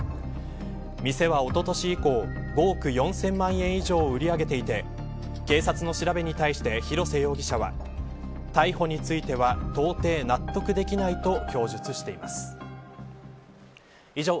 店は、おととし以降５億４０００万円以上を売り上げていて警察の調べに対して広瀬容疑者は逮捕については到底納得できないと供述しています。